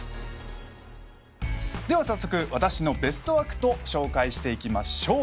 では早速「私のベストアクト！」紹介していきましょう。